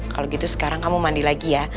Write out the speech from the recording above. kalau gitu sekarang kamu mandi lagi ya